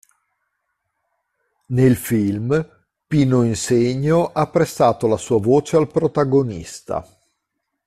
Nel film, Pino Insegno ha prestato la sua voce al protagonista.